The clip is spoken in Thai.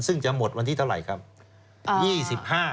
ซึ่งจะหมดวันที่เท่าไหร่ครับ